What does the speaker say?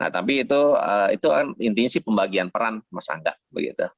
tapi itu kan intinya pembagian peran masa tidak